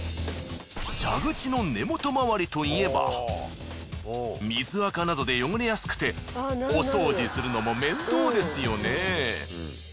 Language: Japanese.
蛇口の根本周りといえば水垢などで汚れやすくてお掃除するのも面倒ですよね。